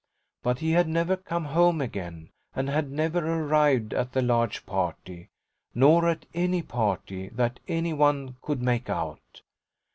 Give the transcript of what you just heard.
But he had never come home again and had never arrived at the large party, nor at any party that any one could make out.